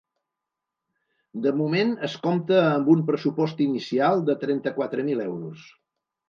De moment es compta amb un pressupost inicial de trenta-quatre mil euros.